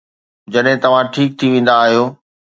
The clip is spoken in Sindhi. جڏهن توهان ٺيڪ ٿي ويندا آهيو.